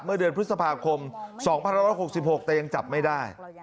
เมื่อเดือนพฤษภาคม๒๑๖๖แต่ยังจับไม่ได้